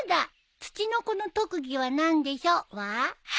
「ツチノコの特技は何でしょう」は？